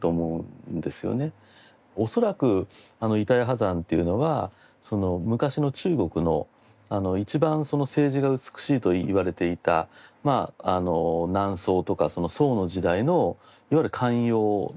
恐らく板谷波山っていうのは昔の中国の一番その青磁が美しいといわれていた南宋とかその宋の時代のいわゆる官窯ですかね